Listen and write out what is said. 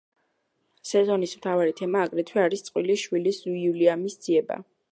სეზონის მთავარი თემა აგრეთვე არის წყვილის შვილის, უილიამის ძიება.